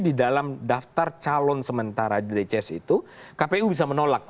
di dalam daftar calon sementara di dcs itu kpu bisa menolak